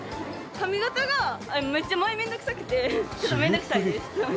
髪形がめっちゃめんどくさくてちょっとめんどくさいです